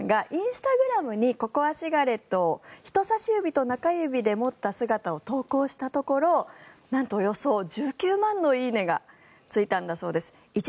あいみょんさんがインスタグラムにココアシガレットを人差し指と中指で持った姿を投稿したところなんとおよそ１９万の「いいね」がついたそうです。